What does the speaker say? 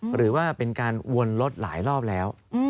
หรือว่าเป็นการวนรถหลายรอบแล้ว